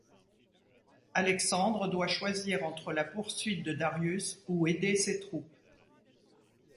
Alexandre doit choisir entre la poursuite de Darius ou aider ses troupes.